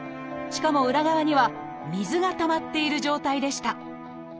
しかも裏側には水がたまっている状態でした。